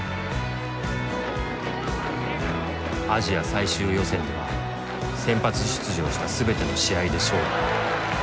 アジア最終予選では先発出場した全ての試合で勝利。